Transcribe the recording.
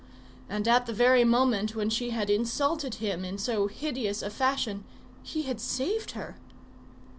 And at the very moment when she had insulted him in so hideous a fashion, he had saved her!